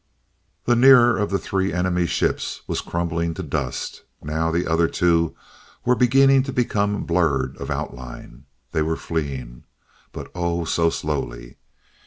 The nearer of the three enemy ships was crumbling to dust. Now the other two were beginning to become blurred of outline. They were fleeing but oh, so slowly.